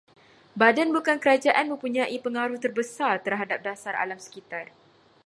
Badan bukan kerajaan mempunyai pengaruh terbesar terhadap dasar alam sekitar